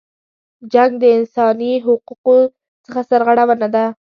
جنګ د انسانی حقونو څخه سرغړونه ده.